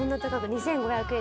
２，５００円。